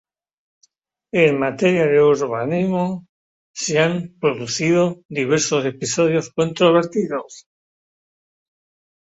En materia de urbanismo, se han producido diversos episodios controvertidos.